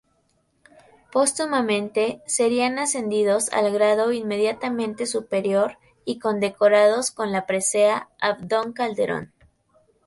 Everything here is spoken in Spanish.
Póstumamente, serían ascendidos al grado inmediatamente superior y condecorados con la presea "Abdón Calderón".